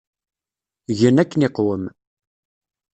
Gen akken iqwem.